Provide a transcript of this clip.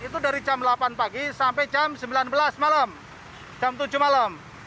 itu dari jam delapan pagi sampai jam sembilan belas malam jam tujuh malam